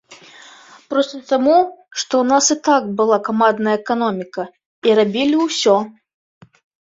Проста таму, што ў нас і так была камандная эканоміка і рабілі ўсё.